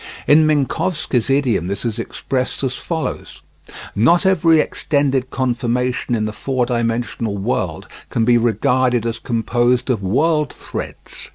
In Minkowski's idiom this is expressed as follows: Not every extended conformation in the four dimensional world can be regarded as composed of world threads.